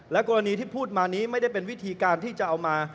กรณีที่พูดมานี้ไม่ได้เป็นวิธีการที่จะเอามา